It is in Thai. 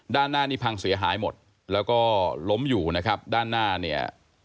ด้านหน้านี้พังเสียหายหมดแล้วก็ล้มอยู่นะครับด้านหน้าเนี่ย